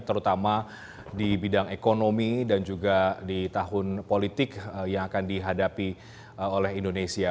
terutama di bidang ekonomi dan juga di tahun politik yang akan dihadapi oleh indonesia